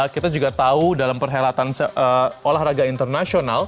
kita juga tahu dalam perhelatan olahraga internasional